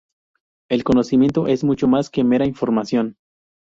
El conocimiento es mucho más que mera información.